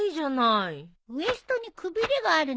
ウエストにくびれがあるのは嫌なの。